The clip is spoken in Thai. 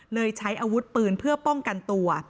ใช้อาวุธปืนเพื่อป้องกันตัว